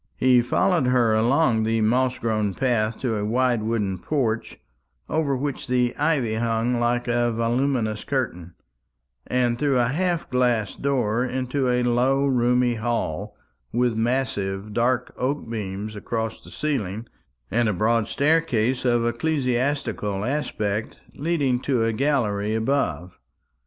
He followed her along the moss grown path to a wide wooden porch, over which the ivy hung like a voluminous curtain, and through a half glass door into a low roomy hall, with massive dark oak beams across the ceiling, and a broad staircase of ecclesiastical aspect leading to a gallery above.